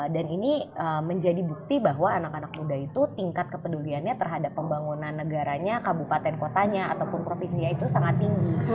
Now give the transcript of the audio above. dan ini menjadi bukti bahwa anak anak muda itu tingkat kepeduliannya terhadap pembangunan negaranya kabupaten kotanya ataupun provinsia itu sangat tinggi